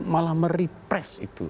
malah merepress itu